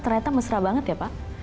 ternyata mesra banget ya pak